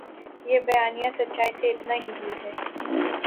یہ بیانیہ سچائی سے اتنا ہی دور ہے۔